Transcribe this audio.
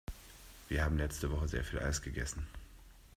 Wir haben letzte Woche sehr viel Eis gegessen.